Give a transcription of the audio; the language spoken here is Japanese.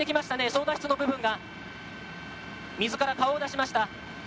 操舵室の部分が水から顔を出しました。